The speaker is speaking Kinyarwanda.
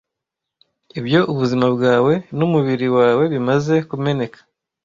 ibyo ubuzima bwawe numubiri wawe bimaze kumeneka